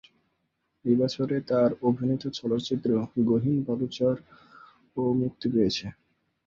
এ বছরে তার অভিনীত চলচ্চিত্র "গহীন বালুচর" ও মুক্তি পেয়েছিল।